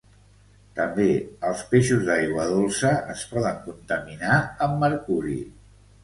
També els peixos d'aigua dolça es poden contaminar amb mercuri.